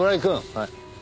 はい。